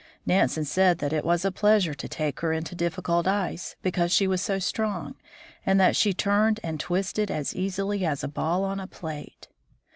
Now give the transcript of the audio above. Nansen said that it was a pleasure to take her into difficult ice, because she was so strong, and that she turned and twisted as easily as a ball on a plate.